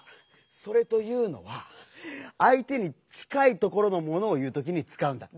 「それ」というのはあい手にちかいところのものをいうときにつかうんだ。